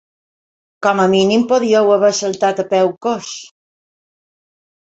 Com a mínim podíeu haver saltat a peu coix!